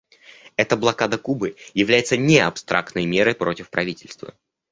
Эта блокада Кубы является не абстрактной мерой против правительства.